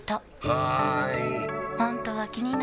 はーい！